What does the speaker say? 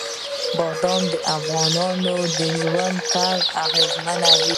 بادام د افغانانو د ژوند طرز اغېزمنوي.